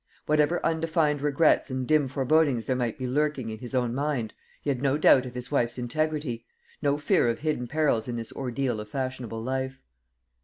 Whatever undefined regrets and dim forebodings there might be lurking in his own mind, he had no doubt of his wife's integrity no fear of hidden perils in this ordeal of fashionable life.